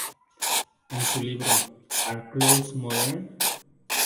En su libro "Are Clothes Modern?